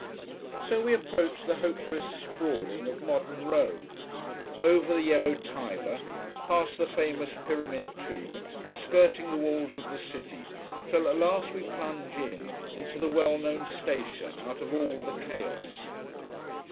So we approach the hopeless sprawling of modern Rome over the yellow Tiber, past the famous pyramid tomb, skirting the walls of the city, till at last we plunge in, into the well known station, out of all the chaos.